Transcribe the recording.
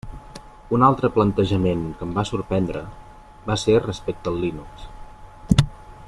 Un altre plantejament que em va sorprendre va ser respecte al Linux.